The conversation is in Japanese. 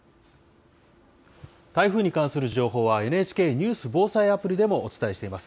台風に関する情報は、ＮＨＫニュース・防災アプリでもお伝えしています。